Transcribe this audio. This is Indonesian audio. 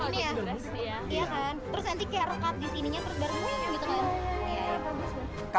terus nanti kayak rekap disininya terus baru menunggang gitu kan